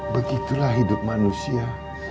begitulah hidup manusia